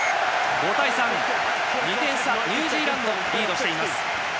５対３、２点差でニュージーランドがリードです。